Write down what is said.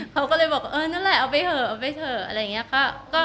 เขาก็เลยบอกเออนั่นแหละเอาไปเถอะเอาไปเถอะอะไรอย่างนี้ค่ะ